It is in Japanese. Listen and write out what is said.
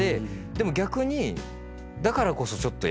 でも逆にだからこそちょっと。